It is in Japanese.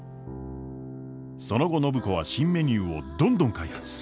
その後暢子は新メニューをどんどん開発。